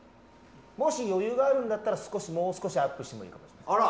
もし余裕があるんだったらもう少しアップしてもいいかもしれません。